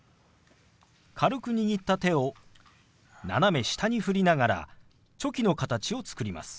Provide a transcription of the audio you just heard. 軽く握った手を斜め下に振りながらチョキの形を作ります。